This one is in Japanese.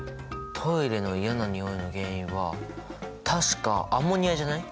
トイレの嫌なにおいの原因は確かアンモニアじゃない？